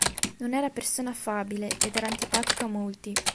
Non era persona affabile ed era antipatico a molti.